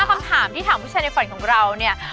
คำถามที่ถามผู้ชายในฝันของเราเนี่ย